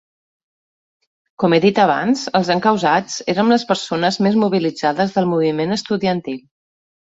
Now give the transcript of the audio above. Com he dit abans, els encausats érem les persones més mobilitzades del moviment estudiantil.